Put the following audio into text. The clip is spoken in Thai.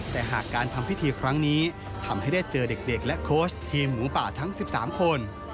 แต่หากการทำพิธีครั้งนี้ทำให้ได้เจอเด็กและโค้ชทีมหมูป่าทั้ง๑๓คน